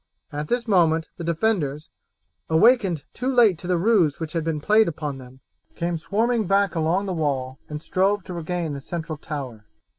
At this moment the defenders, awakened too late to the ruse which had been played upon them, came swarming back along the wall and strove to regain the central tower.